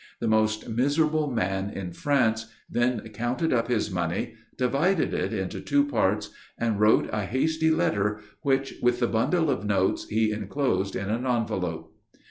The most miserable man in France then counted up his money, divided it into two parts, and wrote a hasty letter, which, with the bundle of notes, he enclosed in an envelope.